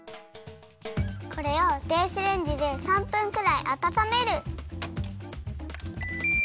これを電子レンジで３分くらいあたためる。